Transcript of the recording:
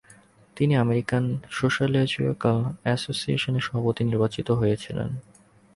তিনি American Sociological অ্যাসোসিয়েশনের সভাপতি নির্বাচিত হয়েছিলেন।